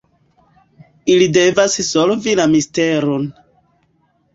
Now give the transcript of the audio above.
Ili devas solvi la misteron.